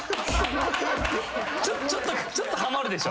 ちょっちょっとハマるでしょ？